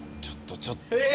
ちょっとちょっと。